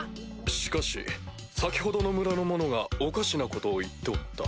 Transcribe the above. しかし先ほどの村の者がおかしなことを言っておった。